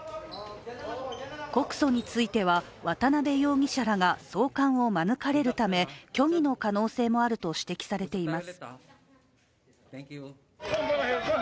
告訴については渡辺容疑者らが送還を免れるため、虚偽の可能性もあると指摘されています。